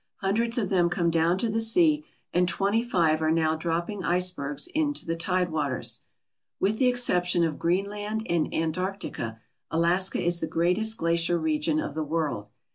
Hundreds of them come down to the sea and twenty five are now dropping icebergs into the tide waters. With the exception of Greenland and Antarctica Alaska is the greatest glacier region of the world.